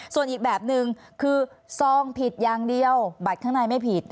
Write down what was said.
ส่วนอีกแบบนึงคือซองผิดอย่างเดียวบัตรข้างในไม่ผิด